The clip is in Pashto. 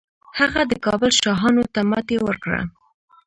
هغه د کابل شاهانو ته ماتې ورکړه